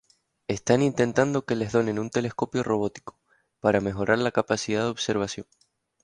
Están intentando que les donen un telescopio robótico, para mejorar la capacidad de observación.